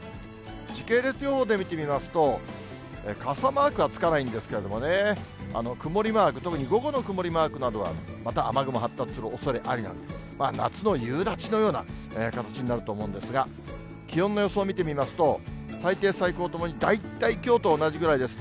時系列予報で見てみますと、傘マークはつかないんですけれども、曇りマーク、特に午後の曇りマークなどはまた雨雲発達するおそれありなんで、夏の夕立のような形になると思うんですが、気温の予想を見てみますと、最低、最高ともに大体きょうと同じぐらいです。